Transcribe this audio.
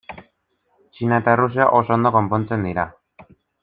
Txina eta Errusia oso ondo konpontzen dira.